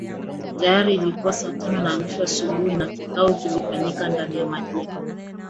Tayari ilikua saa tano na nusu asubuhi na kikao kilifanyika ndani ya majengo